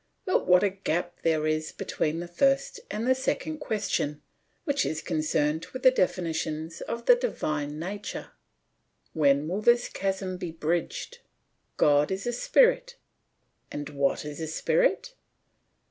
But what a gap there is between the first and the second question which is concerned with the definitions of the divine nature. When will this chasm be bridged? "God is a spirit." "And what is a spirit?"